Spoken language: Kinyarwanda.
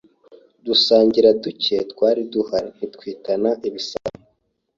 dusangira ducye twari duhari, ntitwitana ibisambo.